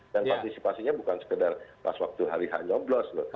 partisipasinya bukan sekedar pas waktu hari h nyoblos loh